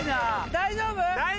大丈夫？